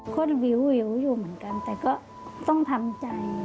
ก็วิวอยู่เหมือนกันแต่ก็ต้องทำใจ